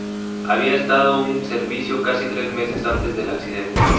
Había estado en servicio casi tres meses antes del accidente.